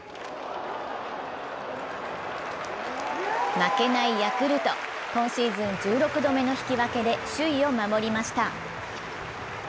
負けないヤクルト、今シーズン１６度目の引き分けで、首位を守りました。